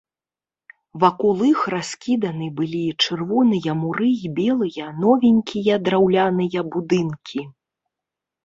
Вакол іх раскіданы былі чырвоныя муры і белыя новенькія драўляныя будынкі.